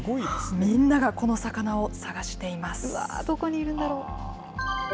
みんながこの魚を探しています。